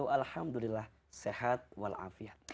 alhamdulillah sehat walafiat